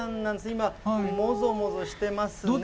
今、もぞもぞしてますね。